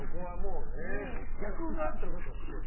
逆があったらどうします？